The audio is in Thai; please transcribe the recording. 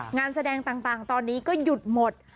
งานแสดงต่างตอนนี้ก็หยุดหมด